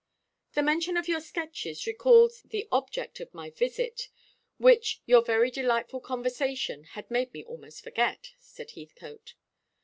"The mention of your sketches recalls the object of my visit, which your very delightful conversation had made me almost forget," said Heathcote.